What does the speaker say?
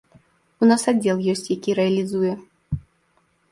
У нас аддзел ёсць, які рэалізуе.